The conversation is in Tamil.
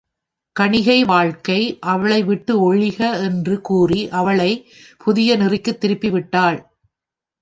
கணிகை வாழ்க்கை அவளைவிட்டு ஒழிக என்று கூறி அவளைப் புதிய நெறிக்குத் திருப்பிவிட்டாள்.